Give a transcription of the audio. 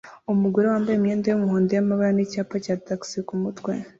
Umugore wambaye imyenda yumuhondo yamabara nicyapa cya tagisi kumutwe